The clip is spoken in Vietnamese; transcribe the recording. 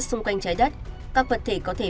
xung quanh trái đất các vật thể có thể